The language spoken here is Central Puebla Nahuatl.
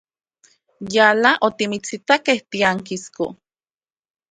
Yala otimitsitakej tiankisko.